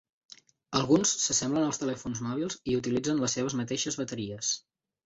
Alguns s'assemblen als telèfons mòbils i utilitzen les seves mateixes bateries.